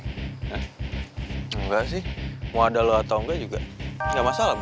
hah nggak sih mau ada lo atau enggak juga nggak masalah bu